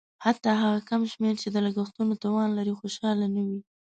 حتی هغه کم شمېر چې د لګښتونو توان لري خوشاله نه وي.